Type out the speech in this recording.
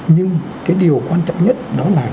nhưng cái điều quan trọng nhất đó là